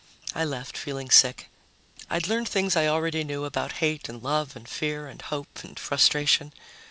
I left, feeling sick. I'd learned things I already knew about hate and love and fear and hope and frustration.